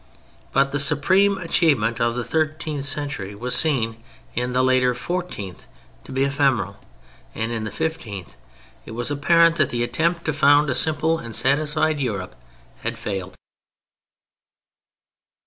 But the supreme achievement of the thirteenth century was seen in the later fourteenth to be ephemeral, and in the fifteenth it was apparent that the attempt to found a simple and satisfied Europe had failed.